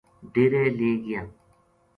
ڈیرے لے گیا